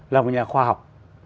là một nhà khoa học